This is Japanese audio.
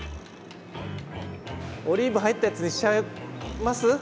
オリーブ入ったやつにしちゃいます？